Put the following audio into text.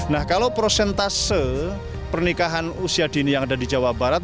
nah kalau prosentase pernikahan usia dini yang ada di jawa barat